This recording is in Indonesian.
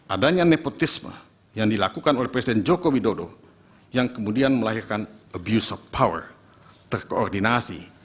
adanya nepotisme yang dilakukan oleh presiden joko widodo yang kemudian melahirkan abuse of power terkoordinasi